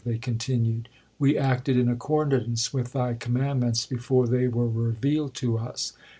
they continued, "We acted in accordance with Thy commandments before they were revealed to us.